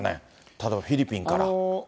例えばフィリピンから。